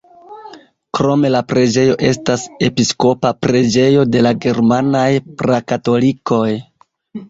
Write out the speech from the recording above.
Krome la preĝejo estas episkopa preĝejo de la germanaj pra-katolikoj.